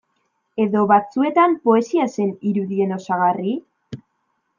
Edo, batzuetan, poesia zen irudien osagarri?